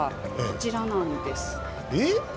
こちらなんです。